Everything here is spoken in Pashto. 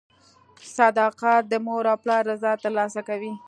• صداقت د مور او پلار رضا ترلاسه کوي.